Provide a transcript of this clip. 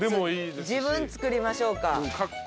自分作りましょうか。